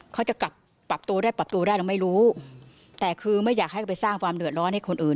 เขาจะกลับปรับตัวได้ปรับตัวได้เราไม่รู้แต่คือไม่อยากให้ไปสร้างความเดือดร้อนให้คนอื่น